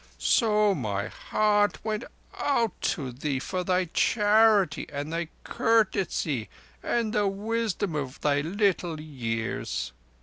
So my heart went out to thee for thy charity and thy courtesy and the wisdom of thy little years.